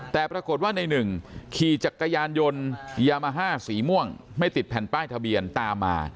แต่ปรากฏว่าในหนึ่งขี่จักรยานยนต์ยามาฮ่าสีม่วงไม่ติดแผ่นป้ายทะเบียนตามมา